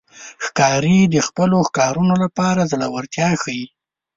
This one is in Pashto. ښکاري د خپلو ښکارونو لپاره زړورتیا ښيي.